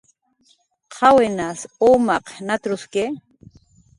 "¿Qawinas umaq nat""ruski?"